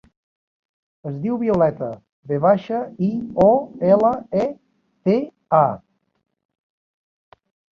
Es diu Violeta: ve baixa, i, o, ela, e, te, a.